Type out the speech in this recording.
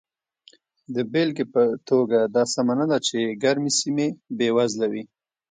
د بېلګې په توګه دا سمه نه ده چې ګرمې سیمې بېوزله وي.